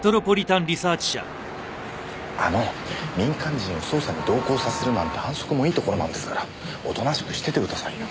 あの民間人を捜査に同行させるなんて反則もいいところなんですからおとなしくしててくださいよ。